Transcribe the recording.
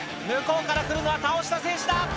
向こうから来るのは倒した選手だ！